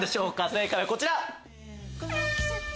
正解はこちら！